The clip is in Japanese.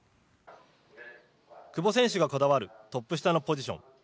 久保選手がこだわるトップ下のポジション。